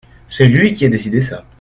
C’est lui qui a décidé ça…